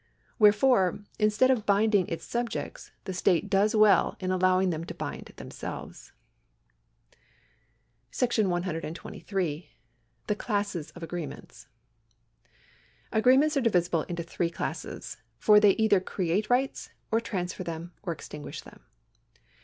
Wherefore, instead of binding its subjects, the state does well in allowing them to bind themselves. § 123. The Classes of Agreements. Agreements are divisible into three classes, for they either create rights, or transfer them, or extinguish them.